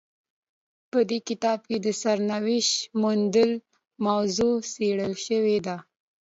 په دې کتاب کې د سرنوشت موندلو موضوع څیړل شوې ده.